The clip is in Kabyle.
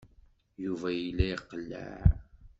Yuba yella iqelleɛ.